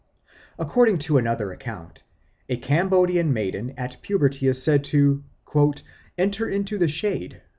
According to another account, a Cambodian maiden at puberty is said to "enter into the shade."